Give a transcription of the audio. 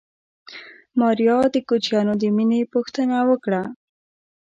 ماريا د کوچيانو د مېنې پوښتنه وکړه.